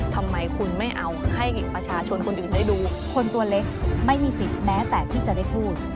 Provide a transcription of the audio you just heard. ทำไมคุณไม่เอาให้ประชาชนคนอื่นได้ดู